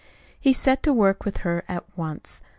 He set to work with her at once.